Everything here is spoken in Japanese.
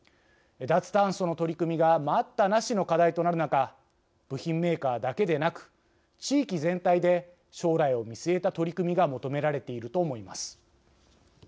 脱炭素の取り組みが待ったなしの課題となる中部品メーカーだけでなく地域全体で将来を見据えた取り組みが求められていると思います。